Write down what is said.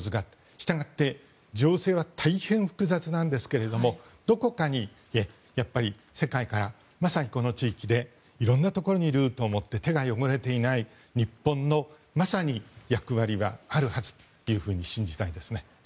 従って、情勢は大変複雑なんですけれどもどこかに世界からまさにこの地域でいろんなところにルートを持って手が汚れていない日本のまさに役割があるはずと信じたいですね。